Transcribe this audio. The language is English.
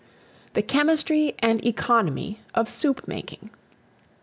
THE CHEMISTRY AND ECONOMY OF SOUP MAKING.